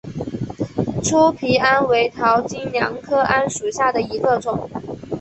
粗皮桉为桃金娘科桉属下的一个种。